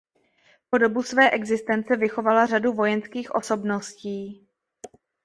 Po dobu své existence vychovala řadu vojenských osobností.